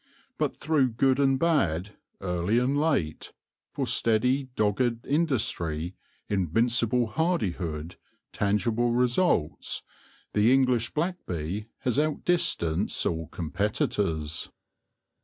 But through good and bad, early and late, for steady, dogged industry, invincible hardihood, tangible results, the English black bee has out distanced all competitors.